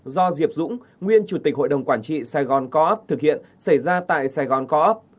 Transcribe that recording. do diệp dũng nguyên chủ tịch hội đồng quản trị saigon co op thực hiện xảy ra tại saigon co op